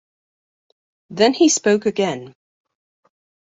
Then he spoke again.